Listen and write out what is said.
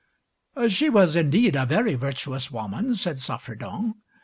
"She was indeed a very virtuous woman," said Saffredent.